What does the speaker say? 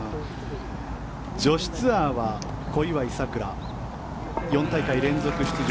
女子ツアーは小祝さくら、４大会連続出場。